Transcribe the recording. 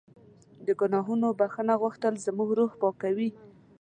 د ګناهونو بښنه غوښتل زموږ روح پاکوي.